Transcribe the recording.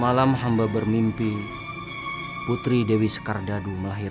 saya hanya menghadapi satu hari dibawah padatilly fi'llah